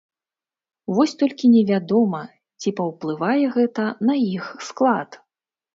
Вось толькі невядома, ці паўплывае гэта на іх склад.